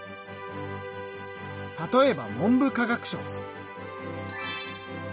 例えば文部科学省。